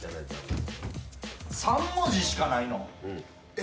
３文字しかないの？